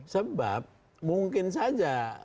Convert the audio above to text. sebab mungkin saja